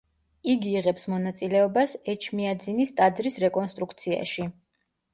იგი იღებს მონაწილეობას ეჩმიაძინის ტაძრის რეკონსტრუქციაში.